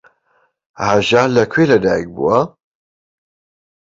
هەژار لە کوێ لەدایک بووە؟